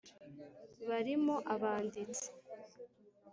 barimo abanditsi,